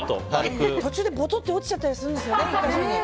途中でぼとって落ちちゃったりするんですよね。